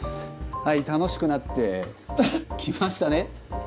はい楽しくなってきましたね。